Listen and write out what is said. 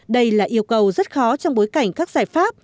đây là yêu cầu rất khó trong bối cảnh các giải pháp